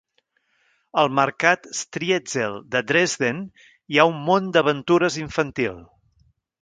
Al mercat Striezel de Dresden hi ha un món d'aventures infantil.